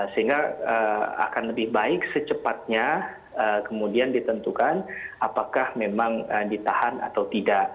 sehingga akan lebih baik secepatnya kemudian ditentukan apakah memang ditahan atau tidak